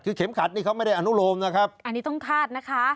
คือเข็มขัดนี่เขาไม่ได้อนุโลมนะครับอันนี้ต้องคาดนะคะ